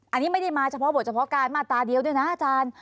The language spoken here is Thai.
อันนี้ไม่ได้มาเฉพาะบทเฉพาะการมาตราเดียวด้วยนะอาจารย์